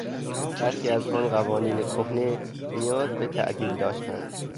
برخی از آن قوانین کهنه نیاز به تعدیل داشتند.